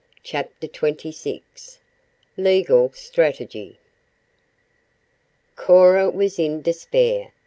CHAPTER XXVI LEGAL STRATEGY Cora was in despair.